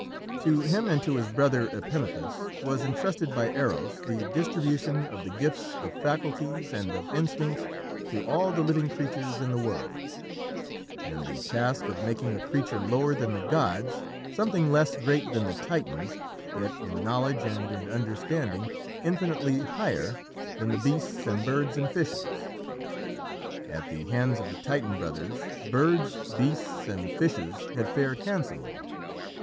To him, and to his brother Epimethus, was entrusted by Eros the distribution of the gifts of faculties and of instincts to all the living creatures in the world, and the task of making a creature lower than the gods, something less great than the Titans, yet in knowledge and in understanding infinitely higher than the beasts and birds and fishes. At the hands of the Titan brothers, birds, beasts, and fishes had fared handsomely.